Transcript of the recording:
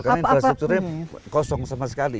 karena infrastrukturnya kosong sama sekali